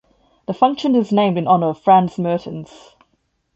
The function is named in honour of Franz Mertens.